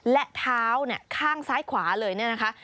และเท้าข้างซ้ายขวาเลยนะคะ